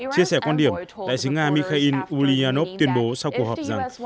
chia sẻ quan điểm đại sứ nga mikhail ulyanov tuyên bố sau cuộc họp rằng